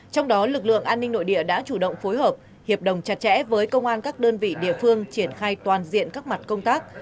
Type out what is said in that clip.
trong đó lực lượng an ninh nội địa đã chủ động phối hợp hiệp đồng chặt chẽ với công an các đơn vị địa phương triển khai toàn diện các mặt công tác